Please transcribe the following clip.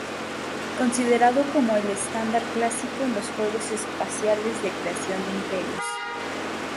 Considerado como el estándar clásico en los juegos espaciales de creación de imperios.